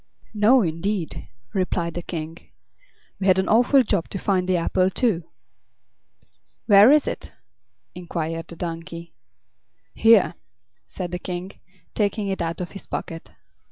"No, indeed," replied the King. "We had an awful job to find the apple, too." "Where is it?" inquired the donkey. "Here," said the King, taking it out of his pocket.